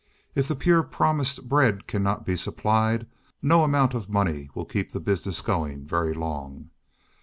If the pure promised bread cannot be supplied, no amount of money will keep the business going very long.